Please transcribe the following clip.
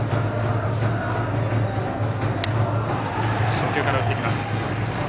初球から振ってきます。